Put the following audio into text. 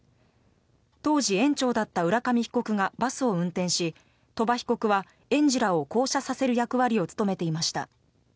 当時、園長だった浦上被告がバスを運転し鳥羽被告は園児らを降車させる役割を務めていました。